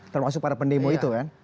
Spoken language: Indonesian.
termasuk para pendemo itu kan